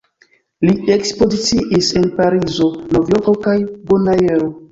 Li ekspoziciis en Parizo, Novjorko kaj Bonaero.